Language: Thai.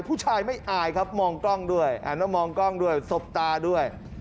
ผู้ชายไม่อายครับมองกล้องด้วยอ่านแล้วมองกล้องด้วยสบตาด้วย